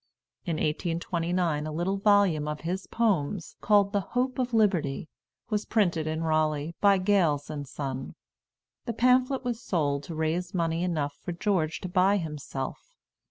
In 1829 a little volume of his poems, called "The Hope of Liberty," was printed in Raleigh, by Gales and Son. The pamphlet was sold to raise money enough for George to buy himself.